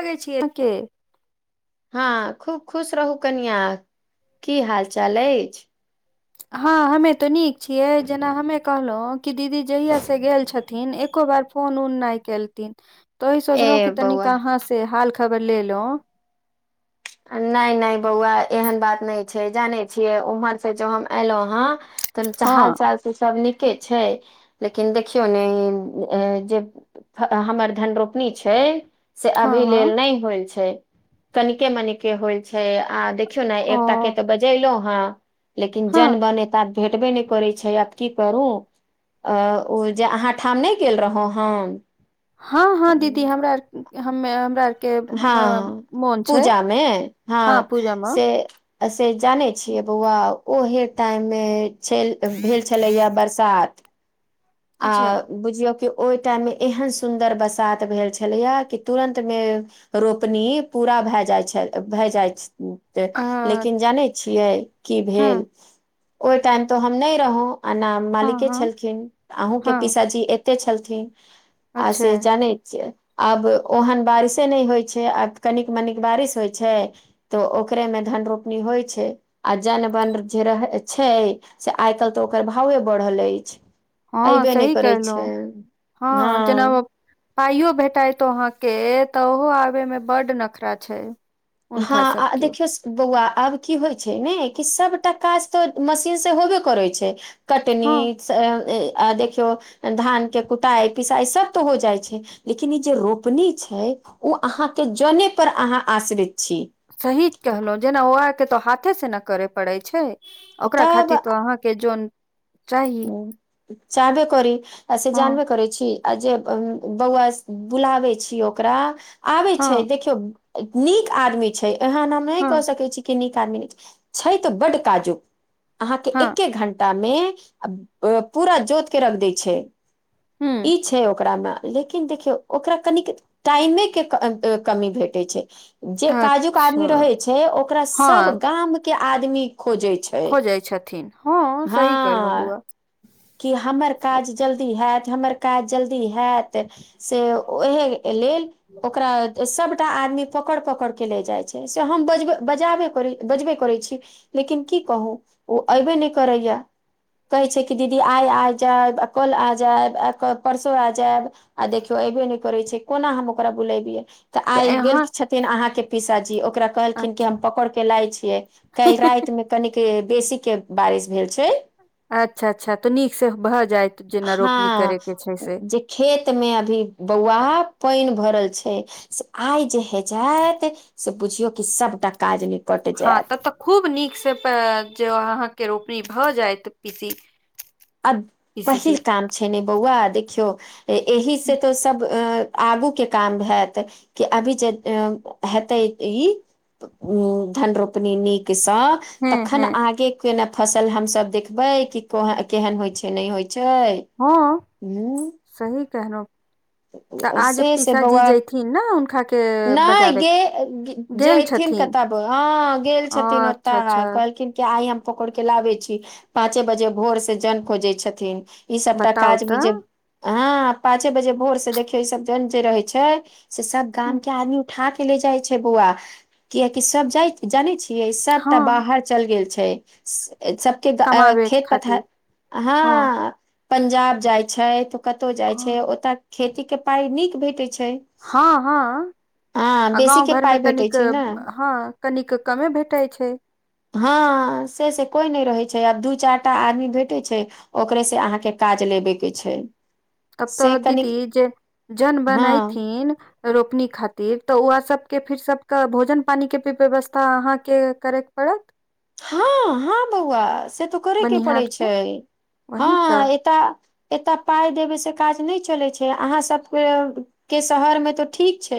लगै छियै के हँ खूब खुश रहू कनीआ की हाल चाल अछि हँ हमे तऽ नीक छियै जेना हमे कहलहुँ कि दीदी जहियास से गेल छथिन एको बार फोन उन नहि केलथिन तोहि ए सोचलहुं क तनी बौआ कहाँ से हाल खबर लेलो नहि नहि बौआ एहन बात नहि छै जानै छियै ओम्हर से जो हम एयलहुं हँ तऽ हँ चहाल चाल से सब नीके छै लेकिन देखियौ ने जे हमर धन रोपनी छै से हँ अभी हँ लेल नहि होल छै तनिके मनिके होल छै आ देख देखियौ ने ओ एकटा के तऽ बजेलहु ह लेकिन जन हँ बनेता भेटबे नहि करै छै आब की करू अ ओ जे आहाँ ठाम नहि गेल रहौ हमँ हँ हँ दीदी हमरा आर हमे हमरा आर हँ ह पूजामे हँ से से जाने छियै बौआ ओहे टाइम मे छेल भेल छलैया बरसात आ अच्छा बुझियौ कि ओहि टाइम मे एहन सुन्दर बसात भेल छलैए कि तुरन्तमे रोपनी पूरा भए जाइ छैल भए जाइ तऽ अ लेकिन जानै छियै की हँ भेल ओई टाइम त हम नहि रहौं आ न हँ मालिके हँ छलखिन अहूँ के हँ पीसा जी एते छलथिन आ अच्छा से जानै छियै आब ओहन बारिशे नहि होइ छै आब कनिक मनिक बारिश होइछै तऽ ओकरे मे धन रोपनी होई छै आ जनवन जे रह छै से आइ काल्ह तऽ ओकर भावे बढ़ल अछि हँ अयबे नहि सही करै केहलहु छै हँ जेना ओ पाईयो भेटात अहाँ के तऽ ओहो आबे में बड नखरा छै हँ हुनका आ आ सबके देखियौ स बौआ आब की होइ छै ने कि सभटा काज तऽ मशीन से होबे करै छै कटनी हँ स्‌ आ देखियौ धान के कुटाई पिसाई सब तऽ हो जाई छै लेकिन ई जे रोपनी छै ओ अहाँके जने पर अहाँ आश्रित छी सही कहलहु जेना ओ आर के तो हाथे से ने करे पड़े छै ओकरा खातिर तब तो अहाँके जन चाही चाहबे करि आ से हँ जानबे करै छी। आ जे बौआ बुलाबै छीयै ओकरा आबै छै हँ देखियौ नीक आदमी छै एहन हम नहि हँ कऽ सकै छी के नीक आदमी न छै तऽ बड्ड काजुक अहाँके हँ एके घंटामे पूरा जोतके रख दै छै, हूँ ई छै ओकरामे लेकिन देखियौ ओकरा कनिक टाइमेके कमी भेटै छै जे काजुक आदमी अच्छा रहे छै ओकरा सब हँ गामके आदमी खोजे छै। खोजै छथिन, हँ सही कहलहुँ बौआ। की हमर काज जल्दी हैत हमर? ी हो ओक [unintelligible] सभटा आदमी पकड़ि-पकड़ि के ले जाइत छै, से हम बजबै बजाबे करै बजबे करै छी लेकिन की कहू ओ अएबे नहि करैया, कहै छै की दीदी आइ आ जायब कल आ जायब परसो आ जायब आ देखियौ अएबे नहि करै छै कोना हम ओकरा बुलेैतियै? तऽ आइ गेल छथिन अहाँके पिसाजी ओकरा कहलखिन कि अच्छा हम पकड़ के लाय छियै काल्हि रातिमे कनिक बेसीके बारिश भेल छै अच्छा अच्छा तऽ नीक से भऽ जायत जेना रोपनी करैके छै से? खेतमे अभी बौआ पानि भरल छै आइ जे हेतै जाइत से बुझियौ कि सभटा काज निपटि हँ तऽ तऽ खूब नीक से प जे अहाँके रोपनी भऽ जायत पीसी अ पीसी जी पहिल काम छै ने बौआ, देखियौ एहि से तऽ सब अ आगूके काम हैत कि अभी जे हेतै ई उ धन रोपिनी नीकसँ हँ तखन हँ आगे के ने फसल हम सब देखबै की केहन होइत छै नहि होइ छै? हँ, सही कहलहुँ। तऽ ह आज से से पिसाजी बौआ जयथिन ने हुनका के बजाबैके जैथिन कतऽ? हँ गेल छथिन अच्छा ओतऽ अच्छा कहलखिन कि आइ हम पकड़िके लाबै छी पाँचे बजे भोरसे जन खोजे छथिन ई सबटा बताउ काज भी तऽ जे हँ पाचे बजे भोर से देखियौ ई सब जन जे रहै छै से सब गामके आदमी उठाके ले जाय छै बौआ कियकि सब जाइ जानै छियै सबटा हँ बाहर चल गेल छै सब कमाबे खेत खातिर पथार हँ पंजाब जाइ छै कतौ जाइ छै हँ ओतय खेतीके पाइ नीक भेटैत छै। हँ, हँ। हँ आ बेसी के गाँंव घरमे पाइ भेटै तनिक छै ने हँ कनिक कमे भेटै छै। हँ से से कोइ नहि रहैत छै आब दू-चारि टा आदमी भेटै छै ओकरे से अहाँके काज लेबे के छै। तब से तऽ कनिक दीदी जे जन-बन हँ अयथिन रोपनी खातिर तऽ ओएह सबके फिर सबके भोजन-पानीके भी व्यवस्था अहाँके करैके पड़त हँ हँ बौआ से तऽ कररैके बनिहार पड़ै के छै वही हँ तऽ एतय एतय पाइ देबै से काज नहि चलै छै अहाँ सभके के शहरमे तो ठीक छै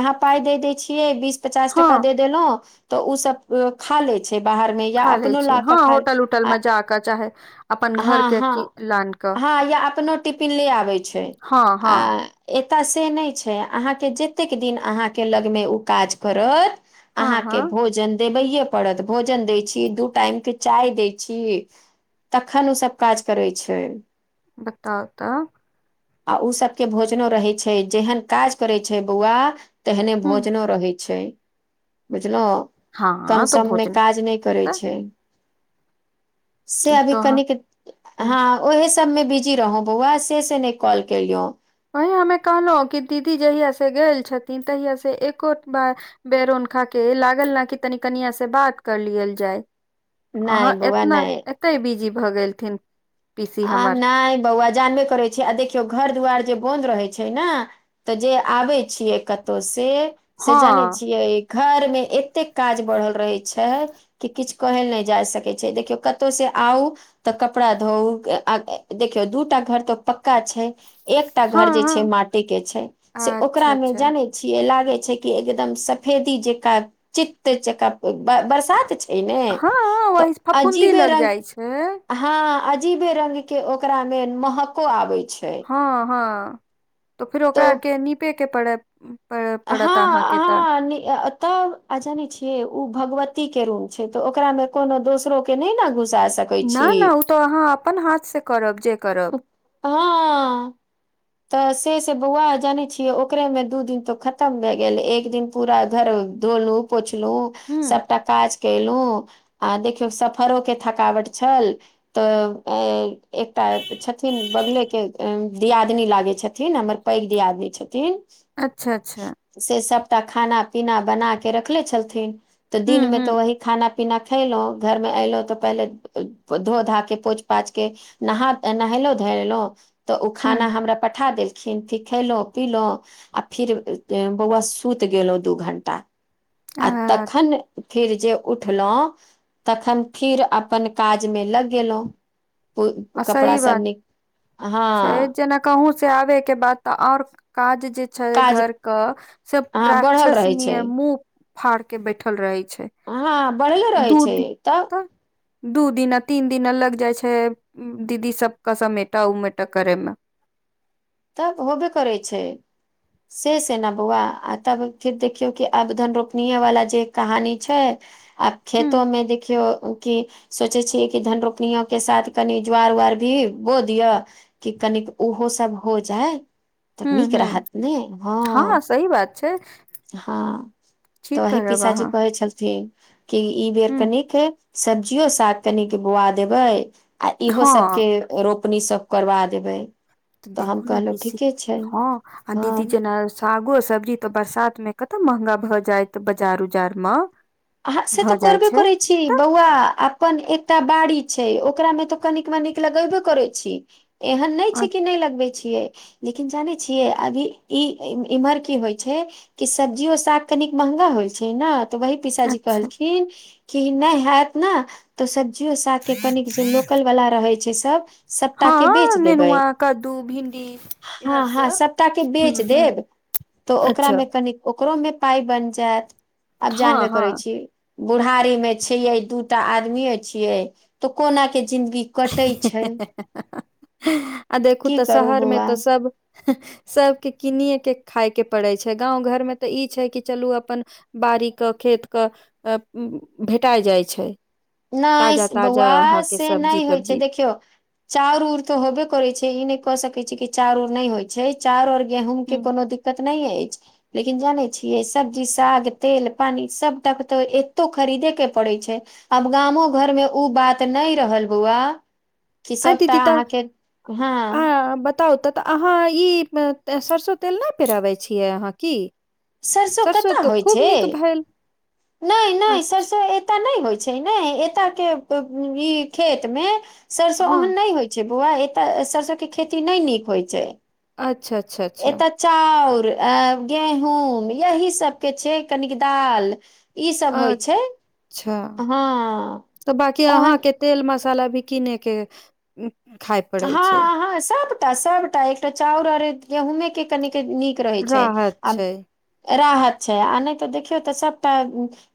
अहांँ पाइ दे देै छियै बीस पचास टका हँ दे देलह तऽ उ सब खा लेत बाहर मे या खा ले अपनो छै लऽकऽ हँ खा लेत, होटल उटल मे जा कऽ चाहे अपन घर हॅं, के हॅं की लान कऽ हँ या अपनो टिफिन ले आबै छै हँ हँ आ एतय से नहि छै अहाँकेँ जतेक दिन अहाँके लऽगमे ओ काज करत हँ अहाँके हँ भोजन देबैइए पड़त। भोजन दै छी दू टाइमके चाय दै छी। तखन ओसभ काज करै छै बताउ तऽ आ उ सभके भोजनो रहै छै जेहन काज करै छै बौआ तेहने ह भोजनो रहै छै बुझलहु कम हँ तऽ सम मे भोजन काज नहि करै तऽ छै से अभी तऽ ह कनीक हूँ हं ओहे सबमे बिजी रहौ बौआ से से नहि कॉल केलियौ वहीं हमे कहलहुँ कि दीदी जहिया से गेल छथिन तहिया से एको बार बेर उनखा के लागल ने कि तनि कनिया से बात कर लियल जाय नहि अहाँ बौआ एतना नहि एतै बिजी भऽ गेलथिन पीसी आ हमर नहि बौआ जानबे करै छियै आ देखियौ घर दुआर जे बन्द रहैत छै ने तऽ जे आबै छियै कतहु से से जानै हँ छियै घरमे एतेक काज बढ़ल रहैत छै कि किछु कहल नहि जा सकैत छै देखियौ कतहुसँ आउ तऽ कपड़ा धोउ अ आ देखियो दूटा घर तो पक्का छै एकटा घर हँ जे छै हँ माटी के छै से अच्छा ओकरा मे अच्छा जानै छिय लागे छै कि एकदम सफेदी जेकां चित जकां बरसात छै ऐ ने हँ तऽ वही फफूंदी अजीबे लग रंग जाइ छै हँ अजीबे रंग के ओकरा मे महको आबै छै हँ हँ तऽ फिर तो ओकरा आर के निपे के पड़त हँ अहाँके तऽ हँ नि अं तब आ जाने छियै उ भगवती के रूम छै त ओकरा मे कोनो दोसरो के नहि ने घुसा सकै ना छी ना ओ तऽ अहाँ अपन हाथ से करब जे करब हँ तऽ से से बौआ जानै छियै ओकरे मे दू दिन तो खतम भए गेल एक दिन पूरा घर दोनू पोछलु ह सबटा काज कयलुं आ देखियौ सफरो के थकावट छल तऽ एकटा छथिन बगले के दियाद लागे छथिन हमर पैघ दियादनी छथिन अच्छा अच्छा से सभटा खाना पीना बना के रखले छलथिन तऽ हू दिन मे हू तऽ ओहि खाना पीना खएलहुँ घरमे अयलहुँ तऽ पहिले धो धाके पोछ पाछके नहा नहेलौं धोयेलौं तऽ ओ हू खाना हम ओकरा पठा देलखिन फऽ खयलहुँ पीलहुँ आ फिर बौआ सुति गेल ओ दू घण्टा आ तखन फिर जे उठलहुँ तखन फिर अपन काजमे लग गेलहुं प आ कपड़ा सही सब नि हँ कहूं से आबे के बाद त और काज जे छै ओ काज घर क से हँ बढ़ल राक्षस रहै छै नियन मुंह फाड़ के बैठल रहे छै हँ बढ़ले रहै दू छै दिन तब दू दिना तीन दिना लग जाइ छै दीदी सबके समेटा उमेटा करै मे तब होबे करै छै से से न बौआ आ तब फिर देखियौ कि आब धन रोपनीे वाला जे कहानी छै आब ह खेतो मे देखियौ कि सोचै छीयै कि धन रोपनो के साथ कनि ज्वार उआर भी बो दिअ कि कनिक ओहो सब हो जाय तऽ नीक रहत ने हँ की बात छै हँ तऽ ठीक वही करब पिसाजी अहाँ कहै छलथिन कि ई बेर ह कनिक सब्जियो साग कनीक बोआ देबै आ इहो हँ सबके रोपनी सब करबा देबै तऽ हम देखू ने कहलहुँ पीसी ठीके छै हँ आ हँ दीदी जेना सागो सब्जी तऽ बरसात मे कतऽ महंगा भए जायत बजार उजार म उहे से तऽ करबी कर छी बौआ अपन एकटा बाड़ी छै ओकरा मे तऽ कनिक मनिक लगैबो करै छी एहन नहि छै तऽ कि नहि लगबै छियै लेकिन जाने छियै अभी ई इम्हर की होइ छै कि सब्जियो साग कनिक महंगा होइ छै न तऽ वही पीसाजी अच्छा कहलखिन कि नहि हैत ने त सब् जियो साग के कनिक जे लोकल वला रहै छै सब सबटा के बेच हँ देबै नेनुआ कद्दू भिंडी इहर हँ हँ सब सबटा के हूँ बेच हूँ देब तऽ ओकरा अच्छा मे कनीक ओकरो मे पाइ बन जायत आब हँ जानबे हँ बूढ़ारी मे छियै दूटा आदमीेये छियै तऽ कोना के जिन्दगी [unintelligible] आ देखू की तऽ करू शहरमे बौआ तऽ सब सभके किनिएके खायके पड़ै छै गाँव घरमे तऽ ई छै कि चलू अपन बाड़ी क खेत क भेटाय जाइ छै ताजा नहिस् ताजा बौआ अहाँके से सब्जी नहि होय से तब्जी देखियौ चाउर ऊर तऽ होबे करै छै ई नहि कह सकैत छी कि चाउर ऊर नहि होइत छै चाउर और गेहूँ के हम्म। कोनो दिक्कत नहि अछि लेकिन जानै छियै सब्जी साग तेल पानि सबटा के तऽ एतो खरीदेके पड़ैत छै आब गामो घर मे उ बात नहि रहल बौआ कि आ सभटा दीदी तऽ अहाँके हँ आ बताउ ततऽ अहाँ ई सरिसो तेल नहि पिराबै छियै अहाँ की सरसो कतअ तऽ होइ खूब छै नीक भेल नहि नहि अच्छा सरसो ए त नहि होइ छै ने एत के ई खेत मे सरसो हँ ओहन नहि होइ छै बौआ एतऽ सरसो के खेती नहि नीक होइ छै अच्छा अच्छा अच्छा एतय चाउर अ गेहूँम यही सबके छै कनिक दाल ई सब होइ अच्छा छै हँ तऽ बाँकी ओहन अहाँके तेल मसाला भी किने के खाय पड़ै छै टा सभटा एकटा चाउर और गेहुँमे के कनिक नीक रहैत छै राहत आ छै राहर छै आ नहि तऽ देखियौ तऽ सभटा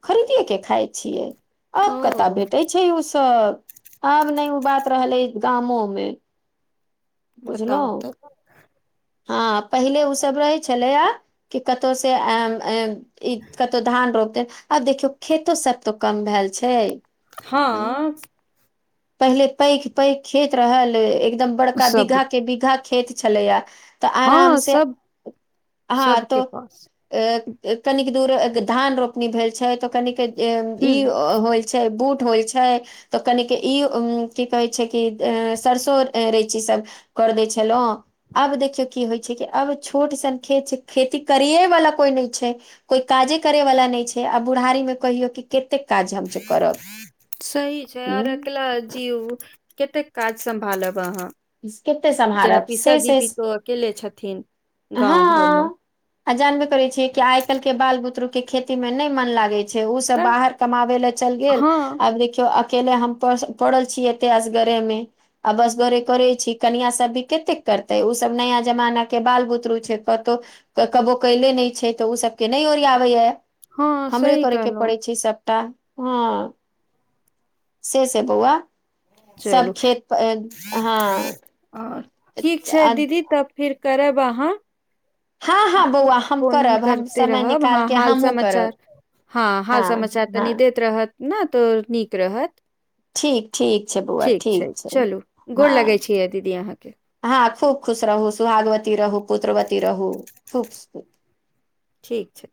खरीदिएके खाइ छियै ओ आब कतय भेटै छै ओ सब आब नै ओ बात रहलै गामो मे ह [inaudible] बताउ तऽ हँ पहिले उसभ रहै छलैया कि कतहु से एम एम इ कत्तौ धान रोपतै आब देखियौ खेतो सब तो कम भैल छै हँ पहिले पैघ पैघ खेत रहल एकदम बड़का सब बीघा के बीघा खेत छलैया तऽ आराम हँ से सब हँ सबके तो पास अ अ कनिक दूर धान रोपनी भेल छै तऽ कनिक ई हूँ होइ छै बूट होइ छै तऽ कनिक के ई की कहै छै कि अ सरसो रैंची सब कर दै छलहुँ आब देखियौ की होइ छै कि आब छोट सन खेत छै खेती करियेवला कोइ नहि छै कोइ काजे करयवला नहि छै आ बुढ़ारीमे कहियौ कि कतेक काज हमसभ करब सही छै ह आर अकेला जीव कतेक काज सम्भालब अहाँ कते जेना सम्हारब से पिसाजी भी से तो अकेले छथिन गाँव घरमे हँ आ जानबे करै छियै कि आइ काल्हि के बाल बुतरु के खेती में नहि मन लागे छै छै ओ सब तऽ बाहर कमाबै ल‌ए चल गेल हँ आब देखियौ केहने हम पड़ल छीयै एतेह असगरे मे आब असगरे करै छी कनिया सब भी कतेक करतै ओसभ नया जमाना के बाल बुद छै कतहु कबो कयले नहि छै तऽ ओ सभके नहि ओरिया बैय हँ हमरे सही करै के कहलौं पड़ै छै सभ हँ से सँ बौआ सभ चलू खेत हँ ठीक छै दीदी तब फिर करब अहाँ हँ हँ बौआ हम फोन ऊन करब हम करते समय रहब निकाल हँ के हाल हमहुँ समचार करब हँ हाल समाचार तनी दैत रहत ने तऽ नीक रहत। ठीक ठीक छै बौआ ठीक छै चलू गोड़ लगे हँ छी दीदी अहाँकेँ हँ खूब खुश रहू सुहागवती रहू पुत्रवती रहू खूब। ठीक छै।